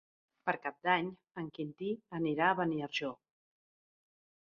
Per Cap d'Any en Quintí anirà a Beniarjó.